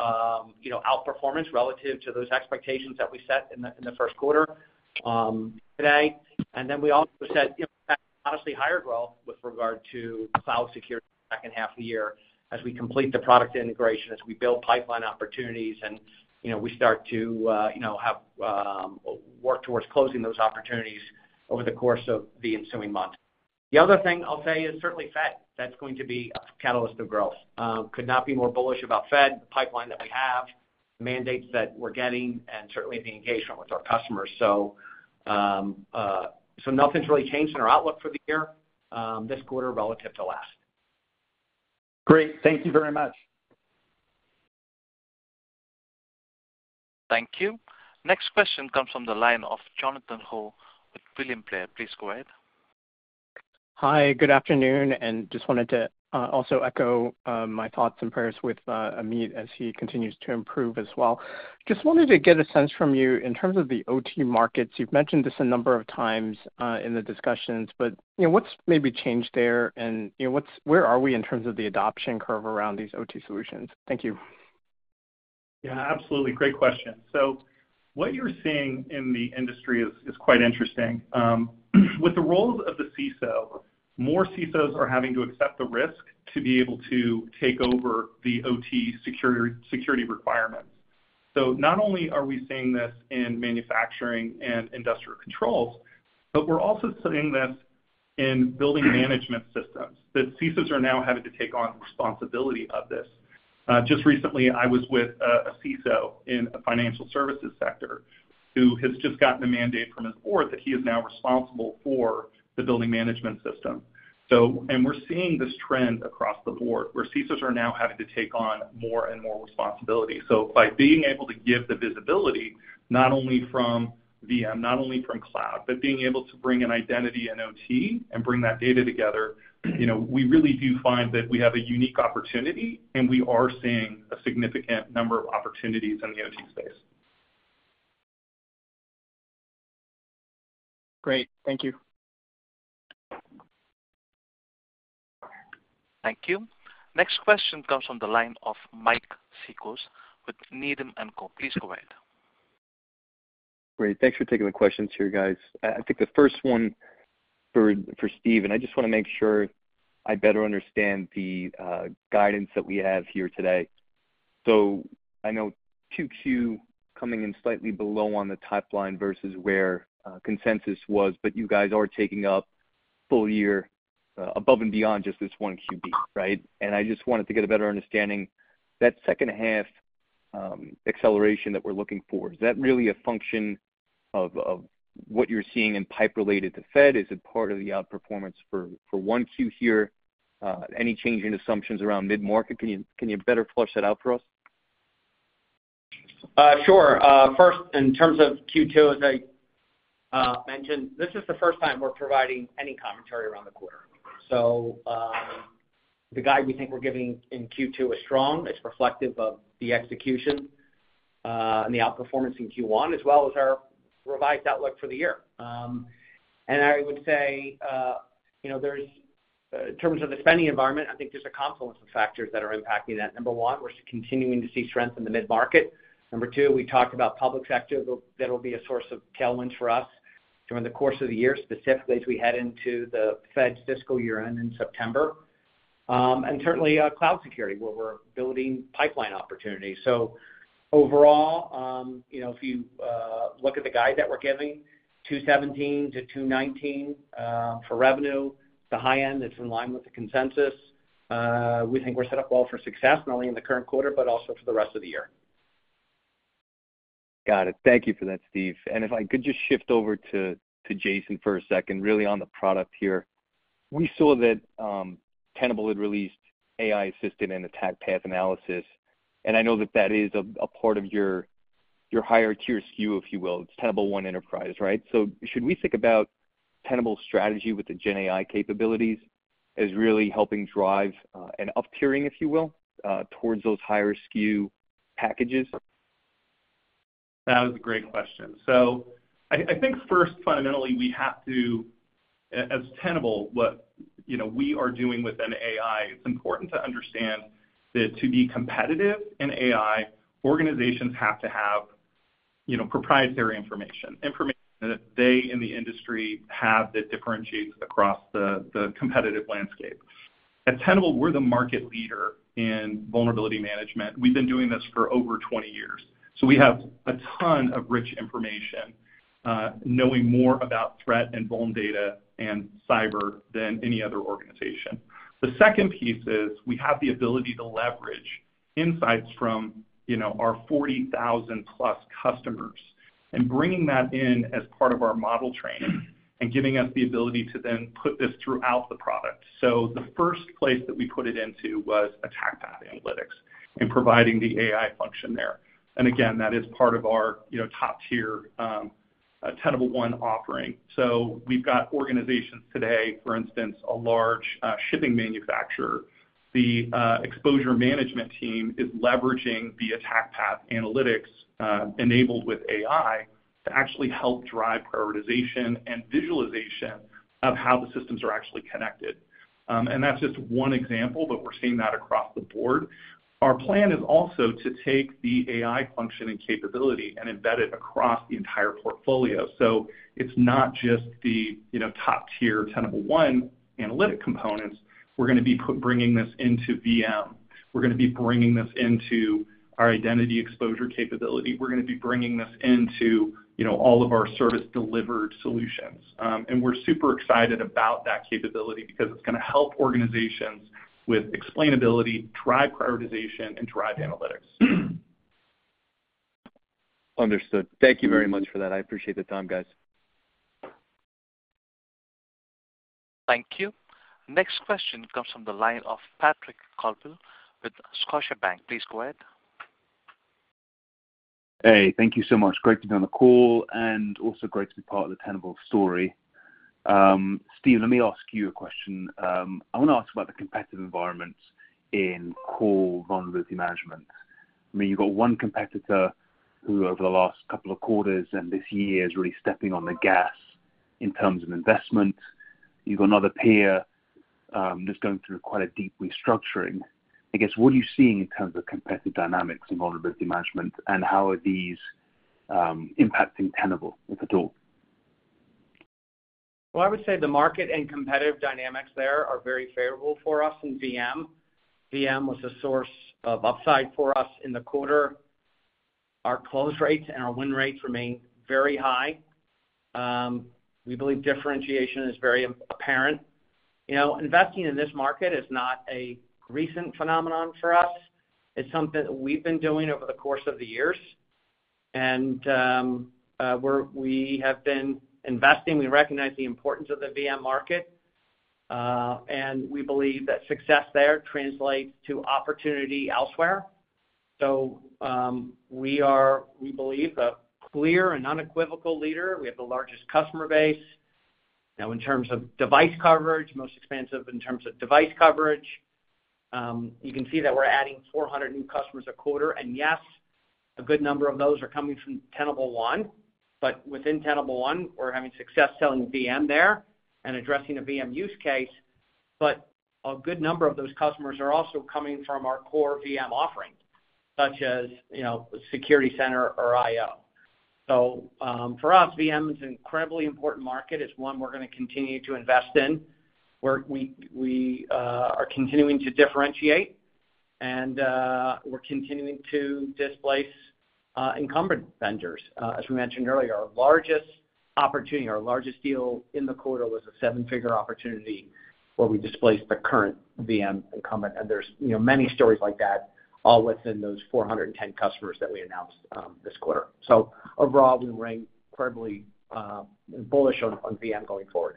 you know, outperformance relative to those expectations that we set in the Q1 today. And then we also said, you know, honestly, higher growth with regard to cloud security in the H2 of the year as we complete the product integration, as we build pipeline opportunities, and, you know, we start to, you know, have work towards closing those opportunities over the course of the ensuing months. The other thing I'll say is certainly Fed. That's going to be a catalyst of growth. Could not be more bullish about Fed, the pipeline that we have, mandates that we're getting, and certainly the engagement with our customers. So nothing's really changed in our outlook for the year, this quarter relative to last. Great. Thank you very much. Thank you. Next question comes from the line of Jonathan Ho with William Blair. Please go ahead. Hi, good afternoon, and just wanted to also echo my thoughts and prayers with Amit as he continues to improve as well. Just wanted to get a sense from you in terms of the OT markets. You've mentioned this a number of times in the discussions, but, you know, what's maybe changed there, and, you know, where are we in terms of the adoption curve around these OT solutions? Thank you. Yeah, absolutely. Great question. So- ...What you're seeing in the industry is quite interesting. With the roles of the CISO, more CISOs are having to accept the risk to be able to take over the OT security requirements. So not only are we seeing this in manufacturing and industrial controls, but we're also seeing this in building management systems, that CISOs are now having to take on responsibility of this. Just recently, I was with a CISO in a financial services sector who has just gotten a mandate from his board that he is now responsible for the building management system. So and we're seeing this trend across the board, where CISOs are now having to take on more and more responsibility. So by being able to give the visibility, not only from VM, not only from cloud, but being able to bring an identity and OT and bring that data together, you know, we really do find that we have a unique opportunity, and we are seeing a significant number of opportunities in the OT space. Great. Thank you. Thank you. Next question comes from the line of Mike Cikos with Needham & Co. Please go ahead. Great, thanks for taking the questions here, guys. I think the first one for Steve, and I just wanna make sure I better understand the guidance that we have here today. So I know Q2 coming in slightly below on the top line versus where consensus was, but you guys are taking up full year above and beyond just this one Q, right? And I just wanted to get a better understanding. That H2 acceleration that we're looking for, is that really a function of what you're seeing in pipe related to Fed? Is it part of the outperformance for one Q here? Any change in assumptions around mid-market? Can you better flesh that out for us? Sure. First, in terms of Q2, as I mentioned, this is the first time we're providing any commentary around the quarter. So, the guide we think we're giving in Q2 is strong. It's reflective of the execution and the outperformance in Q1, as well as our revised outlook for the year. And I would say, you know, in terms of the spending environment, I think there's a confluence of factors that are impacting that. Number one, we're continuing to see strength in the mid-market. Number two, we talked about public sector, that'll, that'll be a source of tailwind for us during the course of the year, specifically as we head into the Fed's fiscal year-end in September. And certainly, cloud security, where we're building pipeline opportunities. Overall, you know, if you look at the guide that we're giving, $217 million-$219 million for revenue, the high end, it's in line with the consensus. We think we're set up well for success, not only in the current quarter, but also for the rest of the year. Got it. Thank you for that, Steve. If I could just shift over to Jason for a second, really on the product here. We saw that Tenable had released AI-assisted and Attack Path Analysis, and I know that that is a part of your higher tier SKU, if you will. It's Tenable One Enterprise, right? So should we think about Tenable's strategy with the GenAI capabilities as really helping drive an uptiering, if you will, towards those higher SKU packages? That was a great question. So I, I think first, fundamentally, we have to as Tenable, what, you know, we are doing within AI, it's important to understand that to be competitive in AI, organizations have to have, you know, proprietary information, information that they in the industry have that differentiates across the, the competitive landscape. At Tenable, we're the market leader in vulnerability management. We've been doing this for over 20 years, so we have a ton of rich information, knowing more about threat and vuln data and cyber than any other organization. The second piece is, we have the ability to leverage insights from, you know, our 40,000-plus customers, and bringing that in as part of our model training and giving us the ability to then put this throughout the product. So the first place that we put it into was Attack Path Analytics and providing the AI function there. And again, that is part of our, you know, top-tier Tenable One offering. So we've got organizations today, for instance, a large shipping manufacturer. The exposure management team is leveraging the Attack Path Analytics enabled with AI, to actually help drive prioritization and visualization of how the systems are actually connected. And that's just one example, but we're seeing that across the board. Our plan is also to take the AI function and capability and embed it across the entire portfolio. So it's not just the, you know, top-tier Tenable One analytic components. We're gonna be bringing this into VM. We're gonna be bringing this into our Identity Exposure capability. We're gonna be bringing this into, you know, all of our service-delivered solutions. We're super excited about that capability because it's gonna help organizations with explainability, drive prioritization, and drive analytics. Understood. Thank you very much for that. I appreciate the time, guys. Thank you. Next question comes from the line of Patrick Colville with Scotiabank. Please go ahead. Hey, thank you so much. Great to be on the call, and also great to be part of the Tenable story. Steve, let me ask you a question. I want to ask about the competitive environment in core vulnerability management. I mean, you've got one competitor who, over the last couple of quarters and this year, is really stepping on the gas in terms of investment. You've got another peer-... that's going through quite a deep restructuring. I guess, what are you seeing in terms of competitive dynamics in vulnerability management, and how are these, impacting Tenable, if at all? Well, I would say the market and competitive dynamics there are very favorable for us in VM. VM was a source of upside for us in the quarter. Our close rates and our win rates remain very high. We believe differentiation is very apparent. You know, investing in this market is not a recent phenomenon for us. It's something that we've been doing over the course of the years. And, we have been investing. We recognize the importance of the VM market, and we believe that success there translates to opportunity elsewhere. So, we are, we believe, a clear and unequivocal leader. We have the largest customer base. Now, in terms of device coverage, most expansive in terms of device coverage. You can see that we're adding 400 new customers a quarter. And yes, a good number of those are coming from Tenable One. But within Tenable One, we're having success selling VM there and addressing a VM use case. But a good number of those customers are also coming from our core VM offering, such as, you know, Security Center or IO. So, for us, VM is an incredibly important market. It's one we're gonna continue to invest in, where we are continuing to differentiate and, we're continuing to displace incumbent vendors. As we mentioned earlier, our largest opportunity, our largest deal in the quarter was a seven-figure opportunity where we displaced the current VM incumbent, and there's, you know, many stories like that, all within those 410 customers that we announced this quarter. So overall, we remain incredibly bullish on VM going forward.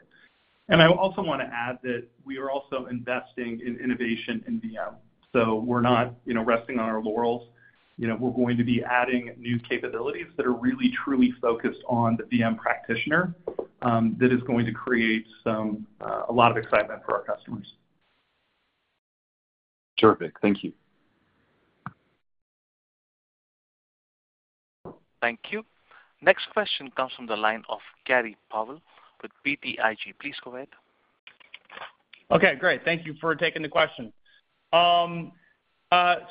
I also want to add that we are also investing in innovation in VM, so we're not, you know, resting on our laurels. You know, we're going to be adding new capabilities that are really, truly focused on the VM practitioner, that is going to create some, a lot of excitement for our customers. Terrific. Thank you. Thank you. Next question comes from the line of Gray Powell with BTIG. Please go ahead. Okay, great. Thank you for taking the question.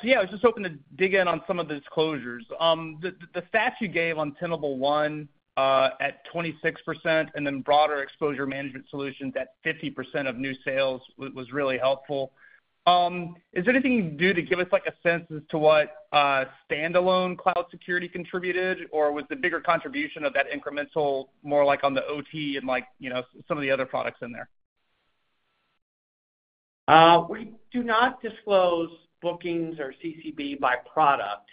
So yeah, I was just hoping to dig in on some of the disclosures. The stats you gave on Tenable One at 26% and then broader exposure management solutions at 50% of new sales was really helpful. Is there anything you can do to give us, like, a sense as to what standalone cloud security contributed? Or was the bigger contribution of that incremental more like on the OT and, like, you know, some of the other products in there? We do not disclose bookings or CCB by product.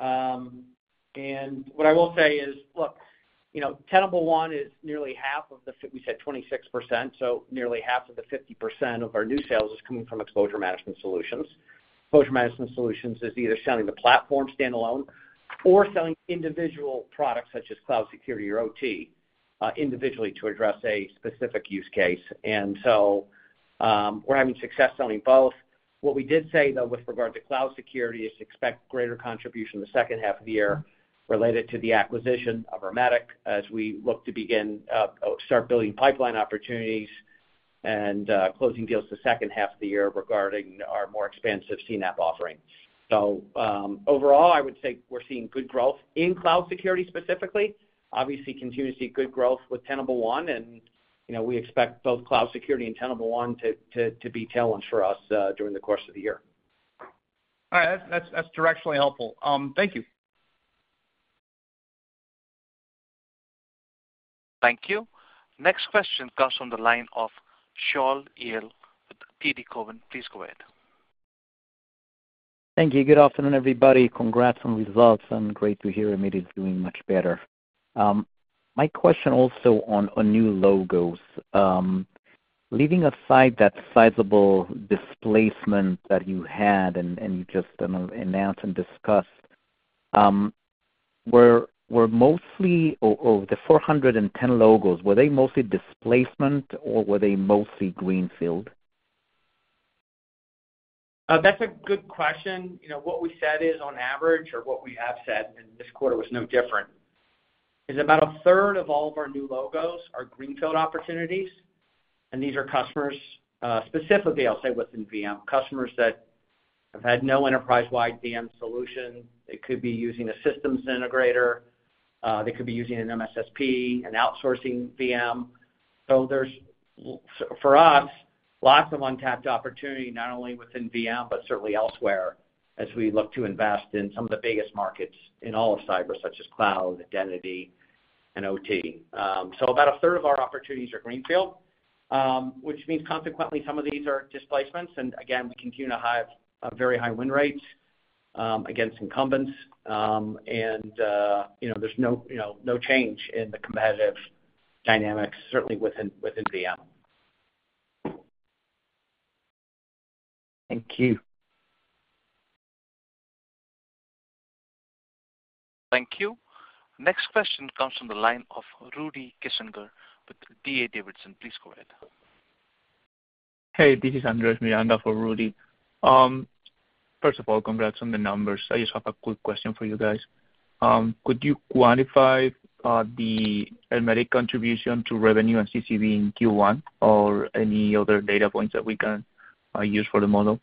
And what I will say is, look, you know, Tenable One is nearly half of the we said 26%, so nearly half of the 50% of our new sales is coming from exposure management solutions. exposure management solutions is either selling the platform standalone or selling individual products, such as cloud security or OT, individually to address a specific use case. And so, we're having success selling both. What we did say, though, with regard to cloud security, is to expect greater contribution in the H2 of the year related to the acquisition of Ermetic, as we look to begin start building pipeline opportunities and closing deals the H2 of the year regarding our more expansive CNAPP offering. So, overall, I would say we're seeing good growth in cloud security specifically. Obviously, continue to see good growth with Tenable One, and, you know, we expect both cloud security and Tenable One to be tailwinds for us during the course of the year. All right. That's directionally helpful. Thank you. Thank you. Next question comes from the line of Shaul Eyal with TD Cowen. Please go ahead. Thank you. Good afternoon, everybody. Congrats on the results, and great to hear Amit is doing much better. My question also on new logos. Leaving aside that sizable displacement that you had and you just announced and discussed, were mostly... Or the 410 logos, were they mostly displacement or were they mostly greenfield? That's a good question. You know, what we said is on average or what we have said, and this quarter was no different, is about a third of all of our new logos are greenfield opportunities, and these are customers, specifically, I'll say, within VM, customers that have had no enterprise-wide VM solution. They could be using a systems integrator, they could be using an MSSP, an outsourcing VM. So there's for us, lots of untapped opportunity, not only within VM, but certainly elsewhere as we look to invest in some of the biggest markets in all of cyber, such as cloud, identity, and OT. So about a third of our opportunities are greenfield, which means consequently some of these are displacements, and again, we continue to have very high win rates against incumbents. You know, there's no, you know, no change in the competitive dynamics, certainly within, within VM. Thank you. Thank you. Next question comes from the line of Rudy Kessinger with D.A. Davidson. Please go ahead. Hey, this is Andres Miranda for Rudy. First of all, congrats on the numbers. I just have a quick question for you guys. Could you quantify the Ermetic contribution to revenue and CCB in Q1 or any other data points that we can use for the model?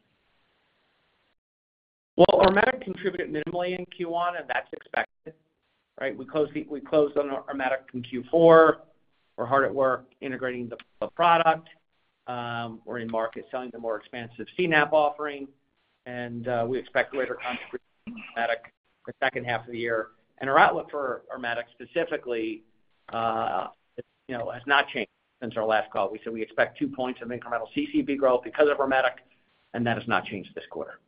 Well, Ermetic contributed minimally in Q1, and that's expected, right? We closed on Ermetic in Q4. We're hard at work integrating the product. We're in market selling the more expansive CNAPP offering, and we expect greater contribution from Ermetic the H2 of the year. And our outlook for Ermetic, specifically, you know, has not changed since our last call. We said we expect 2 points of incremental CCB growth because of Ermetic, and that has not changed this quarter.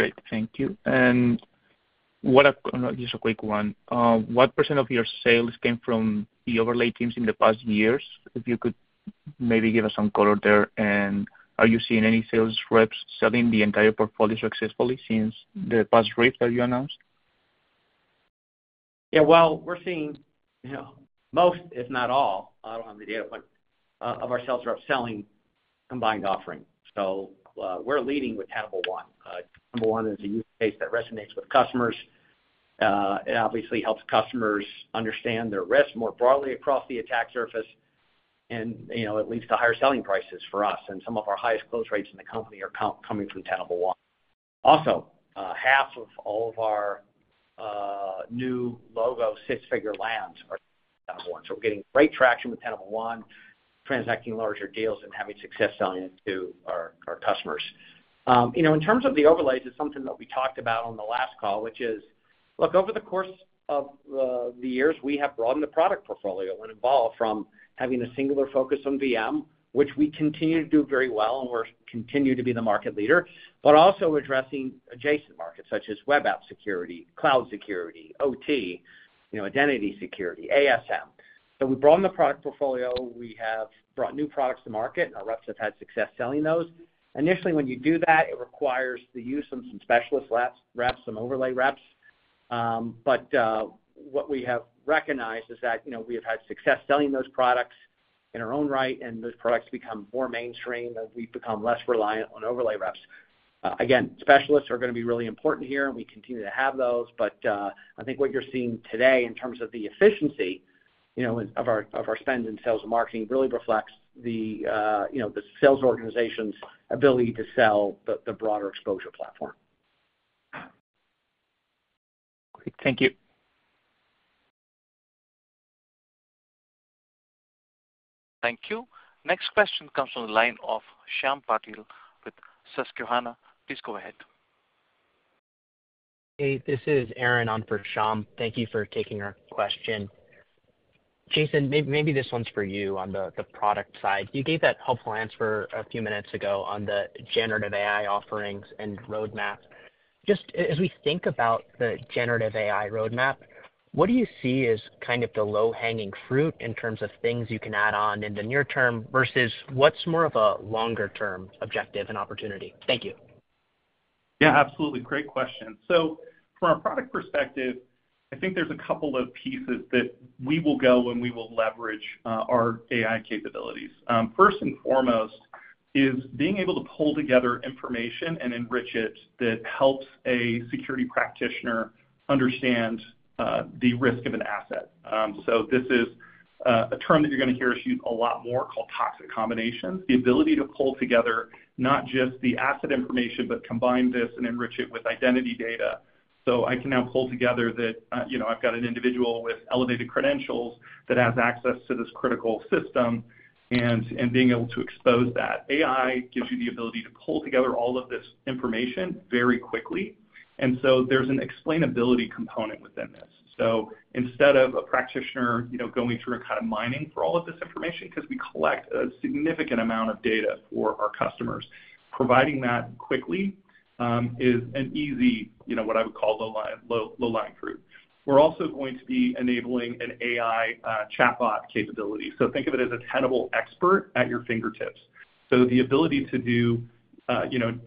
Great. Thank you. And what, just a quick one. What % of your sales came from the overlay teams in the past years? If you could maybe give us some color there. And are you seeing any sales reps selling the entire portfolio successfully since the past rate that you announced? Yeah, well, we're seeing, you know, most, if not all, I don't have the data point of our sales reps selling combined offering. So, we're leading with Tenable One. Tenable One is a use case that resonates with customers. It obviously helps customers understand their risk more broadly across the attack surface, and, you know, it leads to higher selling prices for us, and some of our highest close rates in the company are coming from Tenable One. Also, half of all of our new logo, six-figure lands are Tenable One. So we're getting great traction with Tenable One, transacting larger deals and having success selling it to our customers. You know, in terms of the overlays, it's something that we talked about on the last call, which is, look, over the course of the years, we have broadened the product portfolio and evolved from having a singular focus on VM, which we continue to do very well, and we continue to be the market leader, but also addressing adjacent markets such as web app security, cloud security, OT, you know, identity security, ASM. So we've broadened the product portfolio. We have brought new products to market, and our reps have had success selling those. Initially, when you do that, it requires the use of some specialist labs, reps, some overlay reps. But what we have recognized is that, you know, we have had success selling those products in our own right, and those products become more mainstream, and we've become less reliant on overlay reps. Again, specialists are gonna be really important here, and we continue to have those. But, I think what you're seeing today in terms of the efficiency, you know, of our spend in sales and marketing, really reflects the, you know, the sales organization's ability to sell the broader exposure platform. Great. Thank you. Thank you. Next question comes from the line of Shyam Patil with Susquehanna. Please go ahead. Hey, this is Aaron on for Shyam. Thank you for taking our question. Jason, maybe this one's for you on the product side. You gave that helpful answer a few minutes ago on the generative AI offerings and roadmap. Just as we think about the generative AI roadmap, what do you see as kind of the low-hanging fruit in terms of things you can add on in the near term versus what's more of a longer-term objective and opportunity? Thank you. Yeah, absolutely. Great question. So from a product perspective, I think there's a couple of pieces that we will go and we will leverage our AI capabilities. First and foremost is being able to pull together information and enrich it that helps a security practitioner understand the risk of an asset. So this is a term that you're gonna hear us use a lot more, called toxic combinations. The ability to pull together not just the asset information, but combine this and enrich it with identity data. So I can now pull together that you know, I've got an individual with elevated credentials that has access to this critical system, and being able to expose that. AI gives you the ability to pull together all of this information very quickly, and so there's an explainability component within this. So instead of a practitioner, you know, going through and kind of mining for all of this information, because we collect a significant amount of data for our customers, providing that quickly is an easy, you know, what I would call low-lying fruit. We're also going to be enabling an AI chatbot capability, so think of it as a Tenable expert at your fingertips. So the ability to do, you know,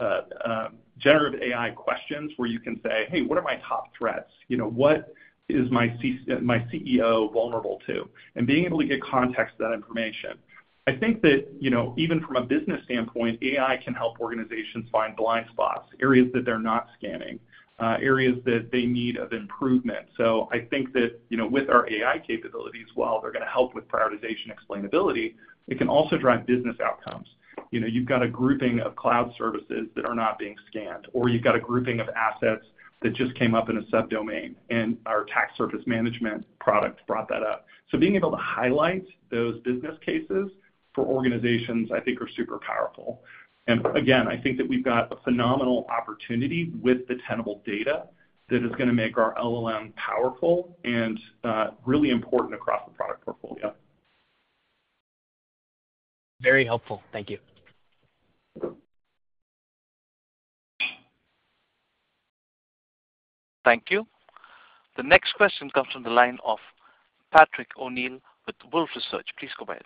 generative AI questions where you can say, "Hey, what are my top threats? You know, what is my CEO vulnerable to?" And being able to get context to that information. I think that, you know, even from a business standpoint, AI can help organizations find blind spots, areas that they're not scanning, areas that they need of improvement. So I think that, you know, with our AI capabilities, while they're gonna help with prioritization, explainability, it can also drive business outcomes. You know, you've got a grouping of cloud services that are not being scanned, or you've got a grouping of assets that just came up in a subdomain, and our Attack Surface Management product brought that up. So being able to highlight those business cases for organizations, I think are super powerful. And again, I think that we've got a phenomenal opportunity with the Tenable data that is gonna make our LLM powerful and really important across the product portfolio. Very helpful. Thank you. Thank you. The next question comes from the line of Patrick O'Neill with Wolfe Research. Please go ahead.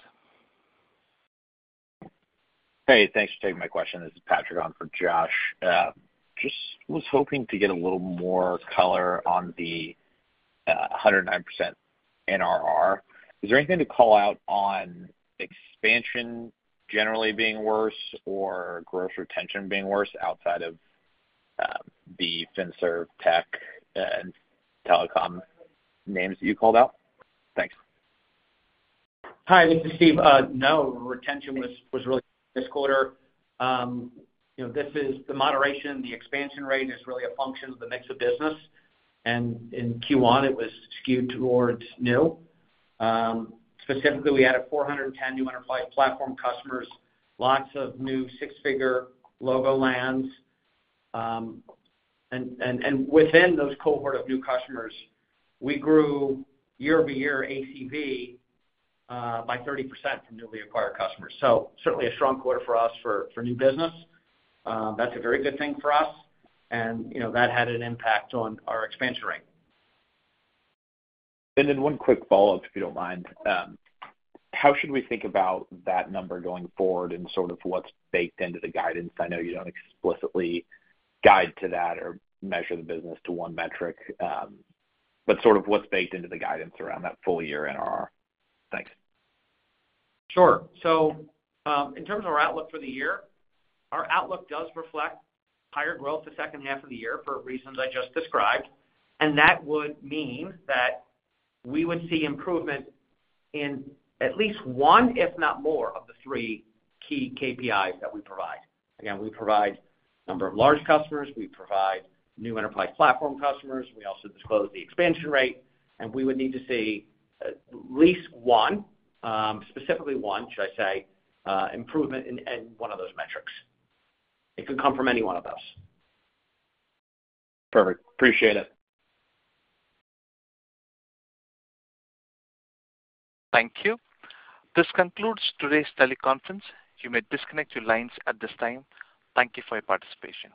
Hey, thanks for taking my question. This is Patrick on for Josh. Just was hoping to get a little more color on the...... 109% NRR. Is there anything to call out on expansion generally being worse or gross retention being worse outside of the FinServ tech and telecom names that you called out? Thanks. Hi, this is Steve. No, retention was really this quarter. You know, this is the moderation, the expansion rate is really a function of the mix of business, and in Q1, it was skewed towards new. Specifically, we added 410 new enterprise platform customers, lots of seven-figure logo lands. And within those cohort of new customers, we grew year-over-year ACV by 30% from newly acquired customers. So certainly a strong quarter for us for new business. That's a very good thing for us. And, you know, that had an impact on our expansion rate. One quick follow-up, if you don't mind. How should we think about that number going forward and sort of what's baked into the guidance? I know you don't explicitly guide to that or measure the business to 1 metric, but sort of what's baked into the guidance around that full year NRR? Thanks. Sure. So, in terms of our outlook for the year, our outlook does reflect higher growth the H2 of the year, for reasons I just described. That would mean that we would see improvement in at least one, if not more, of the three key KPIs that we provide. Again, we provide number of large customers, we provide new enterprise platform customers, we also disclose the expansion rate, and we would need to see at least one, specifically one, should I say, improvement in, in one of those metrics. It could come from any one of those. Perfect. Appreciate it. Thank you. This concludes today's teleconference. You may disconnect your lines at this time. Thank you for your participation.